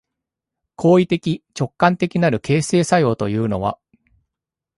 行為的直観的なる形成作用というのは、